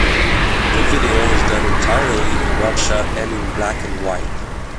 The video is done entirely in one shot and in black and white.